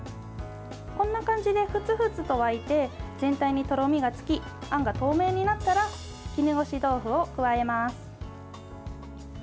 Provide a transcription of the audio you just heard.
こんな感じでふつふつと沸いて全体にとろみがつきあんが透明になったら絹ごし豆腐を加えます。